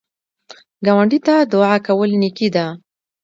ګاونډي ته دعا کول نیکی ده